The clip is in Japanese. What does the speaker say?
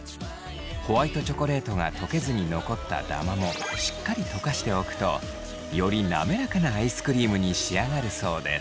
ホワイトチョコレートが溶けずに残ったダマもしっかり溶かしておくとより滑らかなアイスクリームに仕上がるそうです。